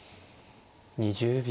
２０秒。